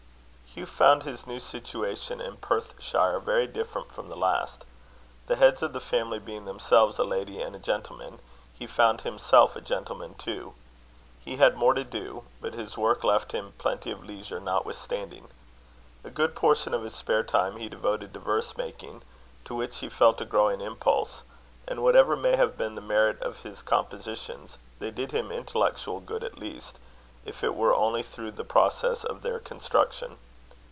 Hugh found his new situation in Perthshire very different from the last. The heads of the family being themselves a lady and a gentleman, he found himself a gentleman too. He had more to do, but his work left him plenty of leisure notwithstanding. A good portion of his spare time he devoted to verse making, to which he felt a growing impulse; and whatever may have been the merit of his compositions, they did him intellectual good at least, if it were only through the process of their construction.